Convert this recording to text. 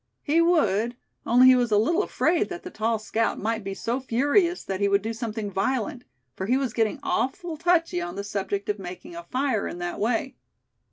He would, only he was a little afraid that the tall scout might be so furious that he would do something violent; for he was getting "awful touchy" on the subject of making a fire in that way.